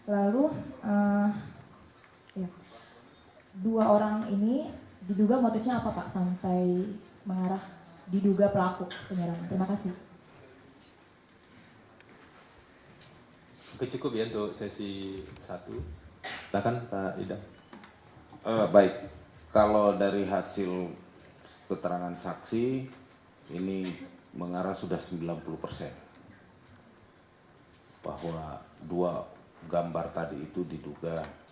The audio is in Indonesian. lalu dua orang ini diduga motifnya apa pak sampai mengarah diduga pelaku penyerangan terima kasih